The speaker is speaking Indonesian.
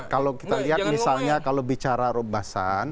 kalau kita lihat misalnya kalau bicara robasan